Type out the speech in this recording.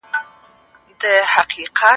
الله تعالی د مال ضائع کول منع کړي دي.